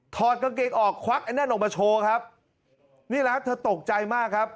ถอดกางเกงออกควั๊กนั่นออกมาโชว์นี่ละครับเธอตกใจมากครับ